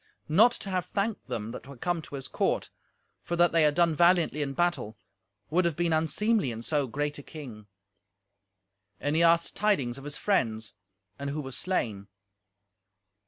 Not to have thanked them that were come to his court, for that they had done valiantly in battle, would have been unseemly in so great a king. And he asked tidings of his friends, and who was slain.